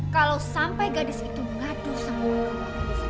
kalau sampai gadis itu mengadu sama gue